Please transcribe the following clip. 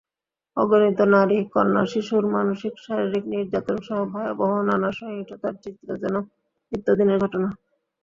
অগণিত নারী, কন্যাশিশুর মানসিক-শারীরিক নির্যাতনসহ ভয়াবহ নানা সহিংসতার চিত্র যেন নিত্যদিনের ঘটনা।